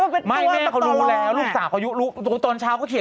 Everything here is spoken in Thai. พี่เช้ารู้อะพี่เช้ารู้จริง